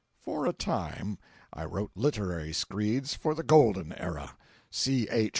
For a time I wrote literary screeds for the Golden Era. C. H.